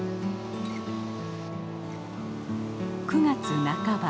９月半ば。